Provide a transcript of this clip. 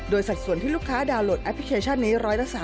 สัดส่วนที่ลูกค้าดาวน์โหลดแอปพลิเคชันนี้๑๓